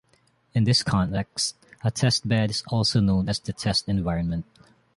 In this context, a testbed is also known as the test environment.